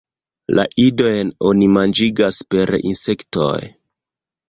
La idojn oni manĝigas per insektoj.